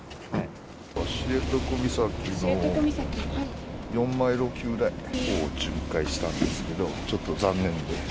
知床岬の４マイル沖ぐらいを巡回したんですけど、ちょっと残念です。